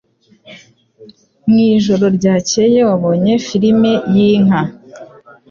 Mwijoro ryakeye wabonye firime yinka